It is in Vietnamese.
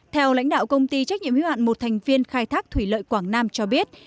theo lãnh đạo công ty trách nhiệm hữu hạn một thành viên khai thác thủy lợi quảng nam cho biết